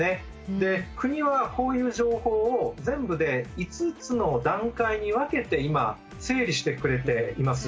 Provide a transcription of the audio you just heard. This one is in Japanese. で国はこういう情報を全部で５つの段階に分けて今整理してくれています。